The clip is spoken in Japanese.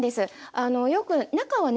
あのよく中はね